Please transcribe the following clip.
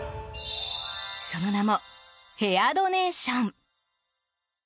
その名もヘアドネーション。